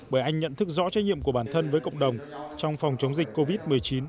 bởi anh nhận thức rõ trách nhiệm của bản thân với cộng đồng trong phòng chống dịch covid một mươi chín